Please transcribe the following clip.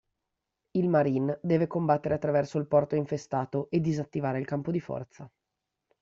Il marine deve combattere attraverso il porto infestato e disattivare il campo di forza.